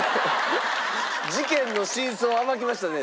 事件の真相を暴きましたね。